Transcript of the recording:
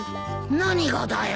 何がだよ？